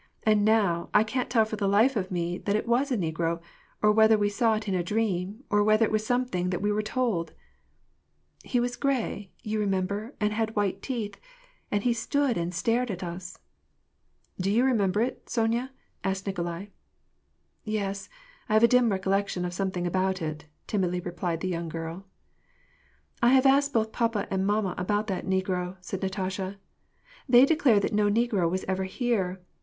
And now I can't tell for the life of me that it was a negro, or whether we saw it in a dream, or whether it was something that we were told !"" He was gray, you remember, and had white teeth, and he stood and stared at us "—" Do you remember it, Sonya ?" asked Nikolai. "Yes, I have a dim recollection of something about it," timidly replied the young girl, " I have asked both papa and mamma about that negro," said Natasha. " They declare that no negro was ever here.